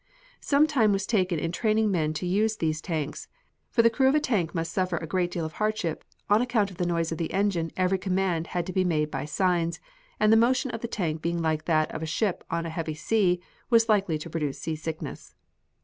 Some time was taken in training men to use these tanks, for the crew of a tank must suffer a great deal of hardship on account of the noise of the engine every command had to be made by signs, and the motion of the tank being like that of a ship on a heavy sea, was likely to produce seasickness.